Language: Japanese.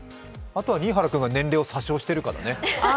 あとは新原君が年齢を詐称してるかだね。